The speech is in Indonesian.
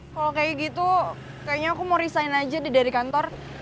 kalau kayak gitu kayaknya aku mau resign aja dari kantor